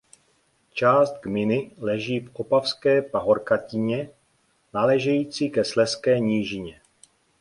Část gminy leží v Opavské pahorkatině náležející ke Slezské nížině.